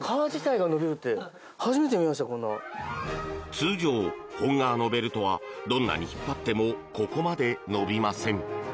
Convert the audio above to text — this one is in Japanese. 通常、本革のベルトはどんなに引っ張ってもここまで伸びません。